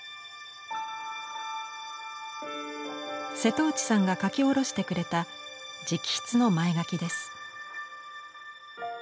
瀬戸内さんが書き下ろしてくれた直筆の前書きです。